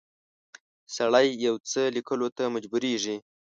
سړی یو څه لیکلو ته مجبوریږي.